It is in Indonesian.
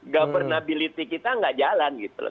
governability kita tidak jalan gitu